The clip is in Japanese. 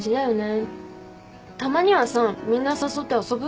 たまにはさみんな誘って遊ぶ？